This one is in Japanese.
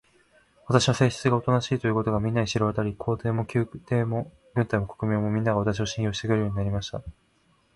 私の性質がおとなしいということが、みんなに知れわたり、皇帝も宮廷も軍隊も国民も、みんなが、私を信用してくれるようになりました。